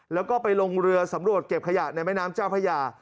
แล้วก็ไปลงเรือสำรวจเก็บขยะในแม่น้ำเจ้าพญา